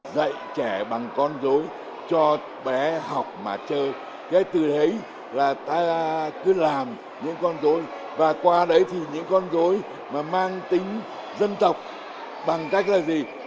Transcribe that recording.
dạy trẻ bằng con dối cho bé học mà chơi ngay từ đấy là ta cứ làm những con dối và qua đấy thì những con dối mà mang tính dân tộc bằng cách là gì